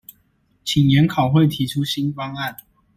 請研考會提出新方案